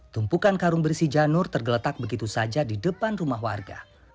tumpukan karung berisi janur tergeletak begitu saja di depan rumah warga